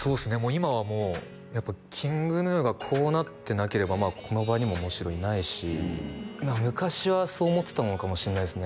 今はもうやっぱＫｉｎｇＧｎｕがこうなってなければまあこの場にももちろんいないし昔はそう思ってたのかもしんないですね